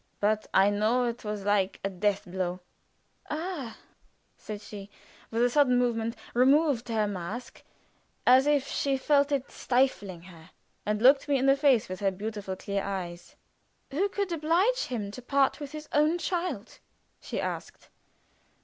But I know it was like a death blow." "Ah!" said she, and with a sudden movement removed her mask, as if she felt it stifling her, and looked me in the face with her beautiful clear eyes. "Who could oblige him to part with his own child?" she asked.